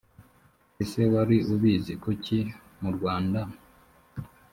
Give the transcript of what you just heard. ese wari ubizi kuki murwanda